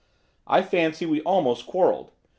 I fancy we almost quarrelled.